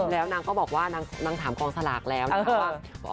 แล้วนางก็บอกว่านางถามกองสลากแล้วนะคะว่า